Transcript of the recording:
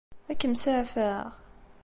Ad kem-saɛfeɣ?